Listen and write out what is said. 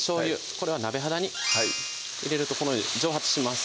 これは鍋肌に入れるとこのように蒸発します